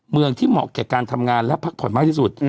เมืองที่เหมาะแก่การทำงานและพักผ่อนมากที่สุด